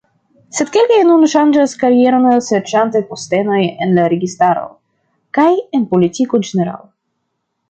Sed kelkaj nun ŝanĝas karieron serĉante postenojn en la registaro kaj en politiko ĝenerale.